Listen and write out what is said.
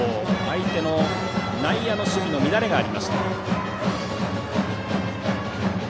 相手に内野の守備の乱れがありました。